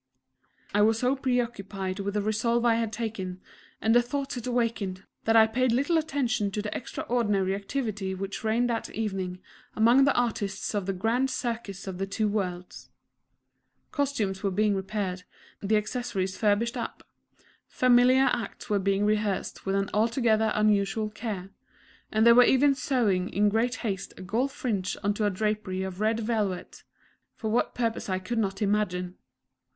I was so preoccupied with the resolve I had taken, and the thoughts it awakened, that I paid little attention to the extraordinary activity which reigned that evening among the artists of the "Grand Circus of the Two Worlds." Costumes were being repaired, the accessories furbished up; familiar acts were being rehearsed with an altogether unusual care; and they were even sewing in great haste a gold fringe onto a drapery of red velvet for what purpose I could not imagine.